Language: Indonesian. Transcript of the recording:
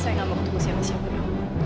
saya nggak mau ketemu siapa siapa dulu